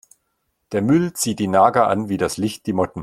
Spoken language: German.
Der Müll zieht die Nager an wie das Licht die Motten.